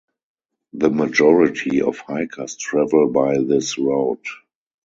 The majority of hikers travel by this route.